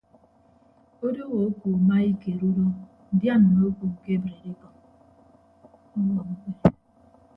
Odooho oku maikeed udọ dian mme oku kebreed ekọñ.